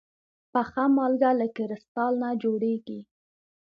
پخه مالګه له کريستال نه جوړېږي.